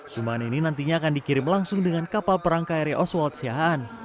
sumbangan ini nantinya akan dikirim langsung dengan kapal perang kri oswald siahaan